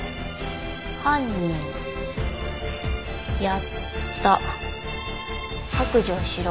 「犯人」「やった」「白状しろ」。